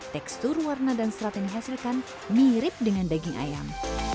tekstur warna dan serat yang dihasilkan mirip dengan daging ayam